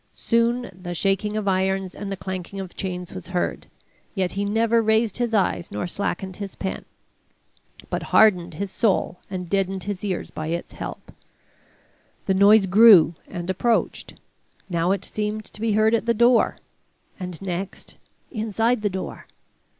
Soon the shaking of irons and the clanking of chains was heard, yet he never raised his eyes nor slackened his pen, but hardened his soul and deadened his ears by its help. The noise grew and approached: now it seemed to be heard at the door, and next inside the door.